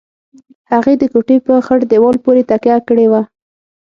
هغې د کوټې په خړ دېوال پورې تکيه کړې وه.